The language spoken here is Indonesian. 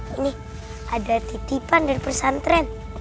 ini ada titipan dari pesantren